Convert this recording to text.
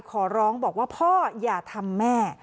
ขอร้องบอกว่าพ่ออย่าทำแม่